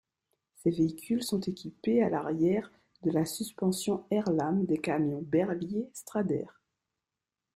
Ces véhicules sont équipés à l'arrière de la suspension Airlam des camions Berliet Stradair.